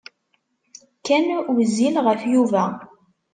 Ken wezzil ɣef Yuba.